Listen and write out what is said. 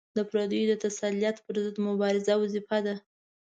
د پردیو د تسلط پر ضد مبارزه وظیفه ده.